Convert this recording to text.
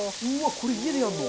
これ家でやるの？